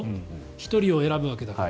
１人を選ぶわけだから。